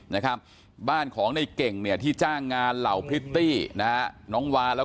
นะครับบ้านของในเก่งเนี่ยที่จ้างงานเหล่าพริตตี้นะฮะน้องวาแล้ว